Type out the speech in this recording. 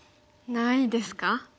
ないですね。